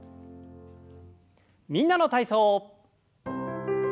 「みんなの体操」。